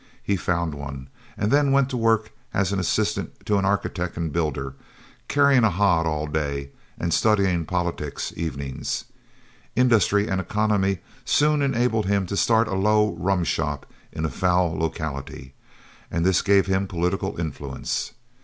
He found one and then went to work as assistant to an architect and builder, carrying a hod all day and studying politics evenings. Industry and economy soon enabled him to start a low rum shop in a foul locality, and this gave him political influence.